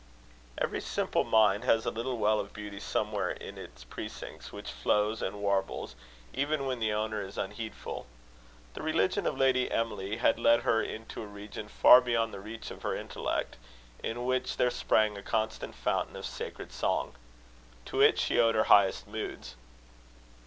Every simple mind has a little well of beauty somewhere in its precincts, which flows and warbles, even when the owner is unheedful. The religion of Lady Emily had led her into a region far beyond the reach of her intellect, in which there sprang a constant fountain of sacred song. To it she owed her highest moods.